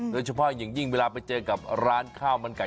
โดยเฉพาะอย่างยิ่งเวลาไปเจอกับร้านข้าวมันไก่